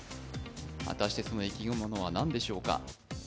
果たしてその生き物はなんでしょうか。